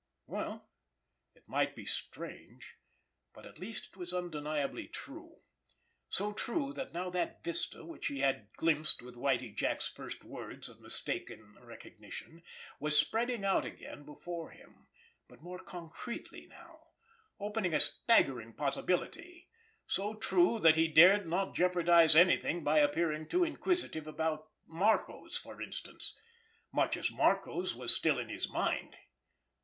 Well, it might be strange, but at least it was undeniably true; so true that now that vista, which he had glimpsed with Whitie Jack's first words of mistaken recognition, was spreading out again before him, but more concretely now, opening a staggering possibility; so true that he dared not jeopardize anything by appearing too inquisitive about Marco's, for instance—much as Marco's was still in his mind!